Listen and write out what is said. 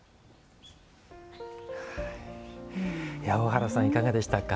大原さん、いかがでしたか。